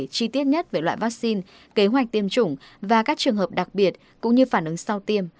chi tiết nhất về loại vaccine kế hoạch tiêm chủng và các trường hợp đặc biệt cũng như phản ứng sau tiêm